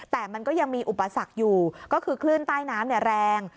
แต่มันก็ยังมีอุปสรรคอยู่ก็คือคลื่นใต้น้ำแรง